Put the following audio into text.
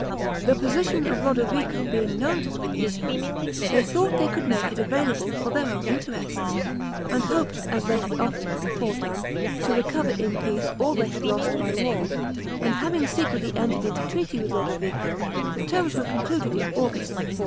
The position of Lodovico being known to the Venetians, they thought they could make it available for their own interests; and hoped, as they had often before done, to recover in peace all they had lost by war; and having secretly entered into treaty with Lodovico, the terms were concluded in August, 1484.